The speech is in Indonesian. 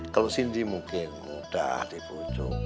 kalau sini mungkin mudah dipujuk